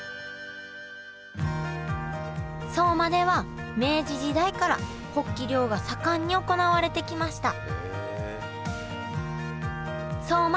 相馬では明治時代からホッキ漁が盛んに行われてきました